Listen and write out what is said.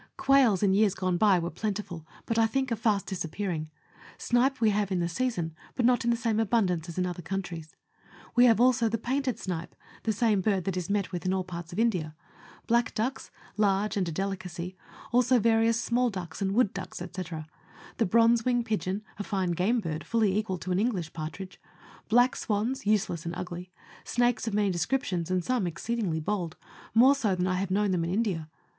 125 Quails in years gone by were plentiful, but I think are fast dis appearing ; snipe we have in the season, but not in the same abundance as in other countries ; we have also the painted snipe, the same bird that is met with in all parts of India; black ducks, large, and a delicacy ; also various small ducks, and wood ducks &c. ; the bronzewing pigeon, a fine game bird, fully equal to an English partridge; black swans useless and ugly; snakes of many descriptions, and some exceedingly bold more so than I have known them in India.